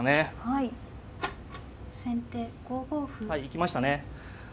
はい行きましたね。